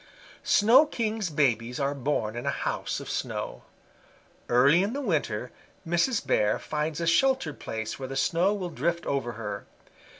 "Snow King's babies are born in a house of snow. Early in the winter Mrs. Bear finds a sheltered place where the snow will drift over her.